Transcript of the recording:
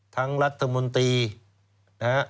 รัฐมนตรีนะฮะ